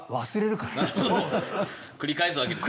繰り返すわけですね。